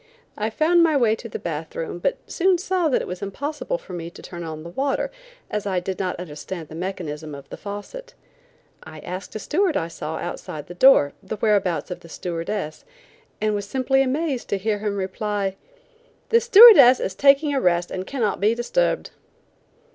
I found my way to the bath room, but soon saw that it was impossible for me to turn on the water, as I did not understand the mechanism of the faucet. I asked a steward I saw outside the door, the whereabouts of the stewardess, and was simply amazed to hear him reply: "The stewardess is taking a rest and cannot be disturbed."